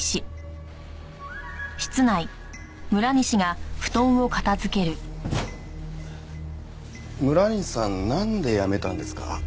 村西さんなんで辞めたんですか？